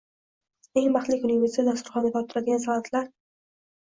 Eng baxtli kuningizda dasturxonga tortiladigan salatlar